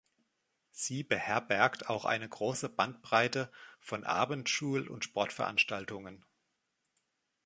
Sie beherbergt auch eine große Bandbreite von Abendschul- und Sportveranstaltungen.